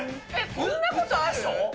そんなことある？